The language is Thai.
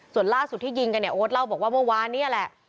ส่วนล่าสุดที่ยิงกันเนี่ยโอ๊ตเล่าบอกว่าเมื่อวานเนี่ยแหละ